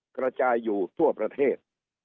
กระจายอยู่ทั่วประเทศ